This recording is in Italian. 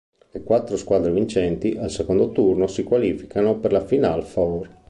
Le quattro squadre vincenti al secondo turno si qualificano per la final-four.